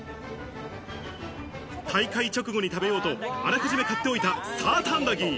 大会直後に食べようとあらかじめ買っておいたサーターアンダギー。